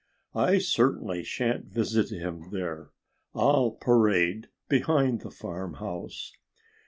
I certainly shan't visit him there. I'll parade behind the farmhouse."